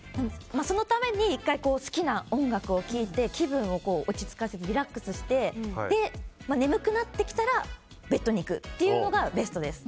そのために１回好きな音楽を聴いて気分を落ち着かせてリラックスして眠くなってきたらベッドに行くというのがベストです。